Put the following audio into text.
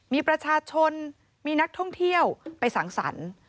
มีประชาชนมีนักท่องเที่ยวไปสังสรรค์